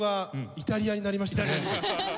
イタリアになりましたね。